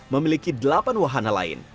memiliki delapan jembatan goyang